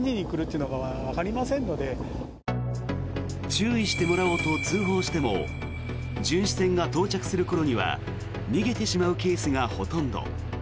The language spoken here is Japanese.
注意してもらおうと通報しても巡視船が到着する頃には逃げてしまうケースがほとんど。